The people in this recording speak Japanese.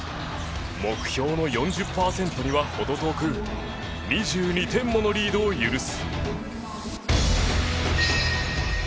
目標の４０％にはほど遠く２２点ものリードを許す。